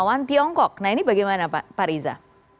lawan tiongkok nah ini bagaimana pak riza